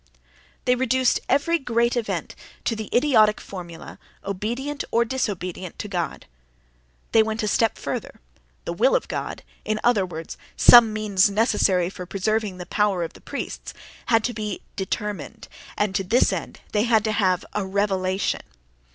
They reduced every great event to the idiotic formula: "obedient or disobedient to God."—They went a step further: the "will of God" (in other words some means necessary for preserving the power of the priests) had to be determined—and to this end they had to have a "revelation."